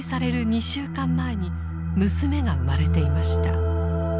２週間前に娘が生まれていました。